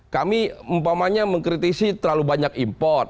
kami mengkritisi terlalu banyak import